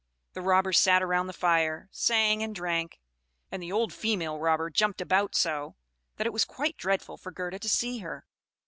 The robbers sat round the fire, sang and drank; and the old female robber jumped about so, that it was quite dreadful for Gerda to see her.